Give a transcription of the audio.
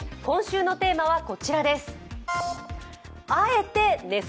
今週のテーマはこちらです。